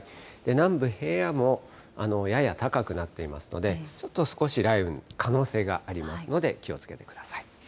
南部、平野もやや高くなっていますので、ちょっと少し雷雨の可能性がありますので気をつけてください。